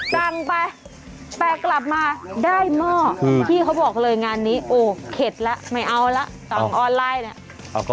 สั่งไปไปกลับมาได้หม้อที่เขาบอกเลยงานนี้โอ้โหเข็ดแล้วไม่เอาแล้ว